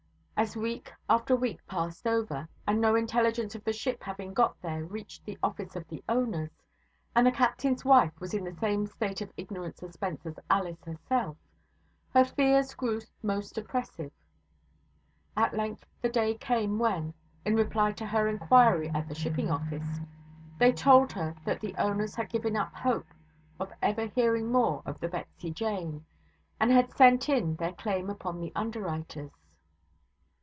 As week after week passed over, and no intelligence of the ship having got there reached the office of the owners, and the captain's wife was in the same state of ignorant suspense as Alice herself, her fears grew most oppressive. At length the day came when, in reply to her inquiry at the shipping office, they told her that the owners had given up hope of ever hearing more of the Betsy Jane and had sent in their claim upon the underwriters.